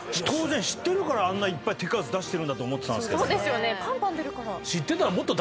当然知ってるからあんないっぱい手数出してるんだと思ってたんですけども。